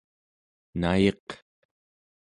nayiq